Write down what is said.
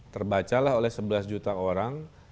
terbacalah oleh sebelas juta orang